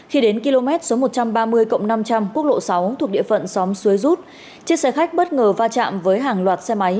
khi đến km số một trăm ba mươi cộng năm trăm linh quốc lộ sáu thuộc địa phận xóm xuế rút chiếc xe khách bất ngờ va chạm với hàng loạt xe máy